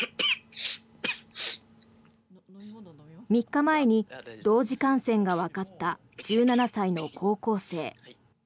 ３日前に同時感染がわかった１７歳の高校生。